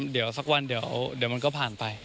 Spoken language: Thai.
เดี๋ยวสักวันเดี๋ยวมันก็ผ่านไป